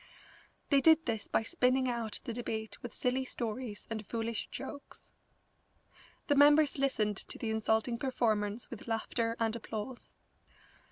They did this by spinning out the debate with silly stories and foolish jokes. The members listened to the insulting performance with laughter and applause.